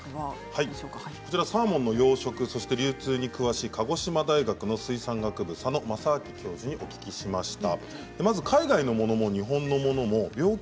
サーモンの養殖、流通に詳しい鹿児島大学の水産学部さのまさあき教授にお聞きしました。